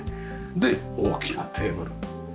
で大きなテーブル。